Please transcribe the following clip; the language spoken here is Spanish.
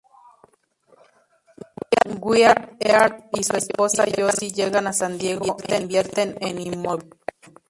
Wyatt Earp y su esposa Josie llegan a San Diego e invierten en inmobiliario.